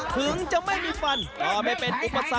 ถึงจะไม่มีฟันก็ไม่เป็นอุปสรรค